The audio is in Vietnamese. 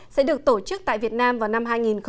sẽ được tổ chức tại việt nam vào năm hai nghìn một mươi chín